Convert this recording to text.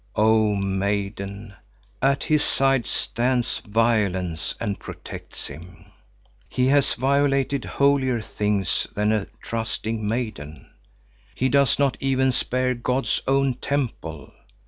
Oh maiden, at his side stands Violence and protects him. He has violated holier things than a trusting maiden. He does not even spare God's own temple.